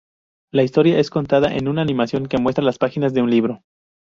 La historia es contada en una animación que muestra las páginas de un libro.